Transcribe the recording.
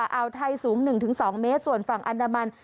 อ่าวไทยสูง๑๒เมตรส่วนฝั่งอันดามัน